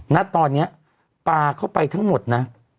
ณตอนนี้ปลาเข้าไปทั้งหมดนะ